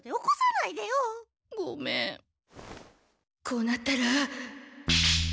こうなったら。